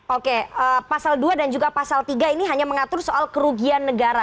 oke pasal dua dan juga pasal tiga ini hanya mengatur soal kerugian negara